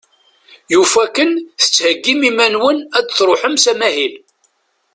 Yufa-ken tettheggim iman-nwen ad truḥem s amahil.